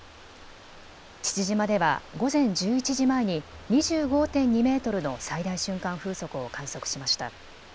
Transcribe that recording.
父島では午前１１時前に２５．２メートルの最大瞬間風速を観測しました。